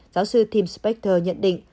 giáo sư tim spector nhận định